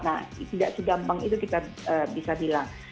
nah tidak segampang itu kita bisa bilang